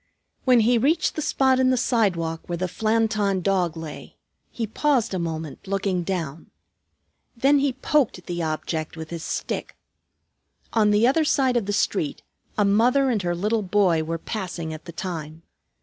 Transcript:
When he reached the spot in the sidewalk where the Flanton Dog lay, he paused a moment looking down. Then he poked the object with his stick. On the other side of the street a mother and her little boy were passing at the time.